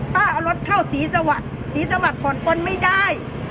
ป้าเอารถเข้าศรีสวรรค์ศรีสวรรค์ผ่อนปนไม่ได้